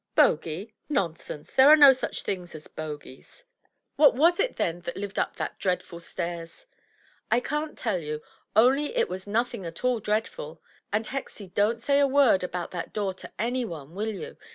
"Bogie! Nonsense! There are no such things as Bogies!" 321 MY BOOK HOUSE "What was it, then, that lived up that dreadful stairs?" "I can't tell you; only it was nothing at all dreadful. And, Hexie, don't say a word about that door to any one, will you?